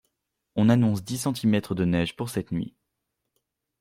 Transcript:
On annonce dix centimètres de neige pour cette nuit.